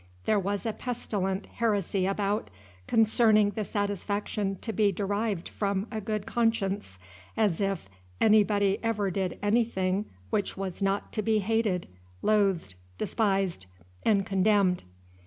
There was a pestilent heresy about, concerning the satisfaction to be derived from a good conscience, as if, anybody ever did anything which was not to be hated, loathed, despised, and condemned.